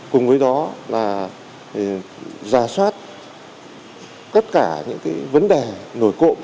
cùng với đó là giả soát tất cả những vấn đề nổi cộng